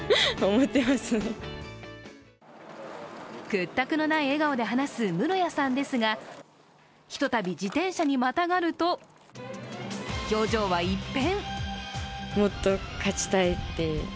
屈託のない笑顔で話す室谷さんですがひとたび自転車にまたがると表情は一変。